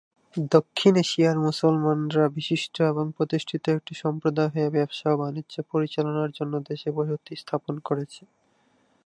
দক্ষিণ এশিয়ার মুসলমানরা, বিশিষ্ট এবং প্রতিষ্ঠিত একটি সম্প্রদায় হয়ে ব্যবসা ও বাণিজ্য পরিচালনার জন্য দেশে বসতি স্থাপন করেছে।